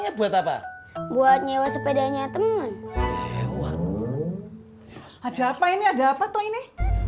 ada apa ini